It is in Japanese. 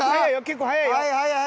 結構速い！